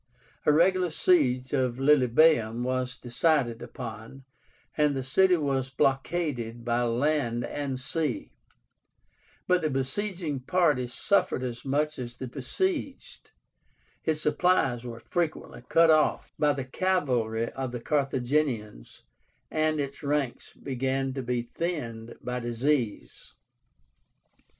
A regular siege of Lilybaeum was decided upon, and the city was blockaded by land and sea; but the besieging party suffered as much as the besieged, its supplies were frequently cut off by the cavalry of the Carthaginians, and its ranks began to be thinned by disease.